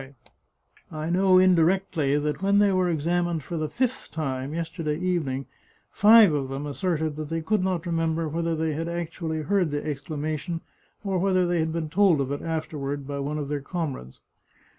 I know indirectly that when they were examined for the fifth time, yesterday evening, five of them asserted that they could not remember whether they had actually heard the exclamation, or whether they had been told of it afterward, by one of their comrades.